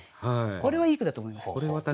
これはいい句だと思いました。